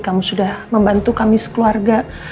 kamu sudah membantu kami sekeluarga